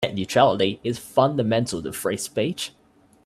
Net neutrality is fundamental to free speech.